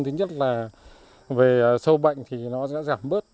thứ nhất là về sâu bệnh thì nó sẽ giảm bớt